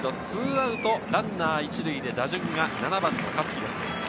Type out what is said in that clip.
２アウトランナー２塁１塁で打順は７番の香月です。